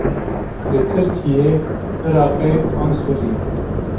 Li Tirkiyê, Iraqê an Sûriyê?